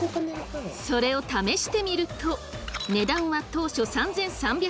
それを試してみると値段は当初３，３００円。